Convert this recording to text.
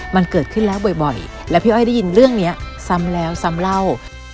มันเกิดขึ้นแล้วบ่อยและพี่อ้อยได้ยินเรื่องนี้ซ้ำแล้วซ้ำเล่า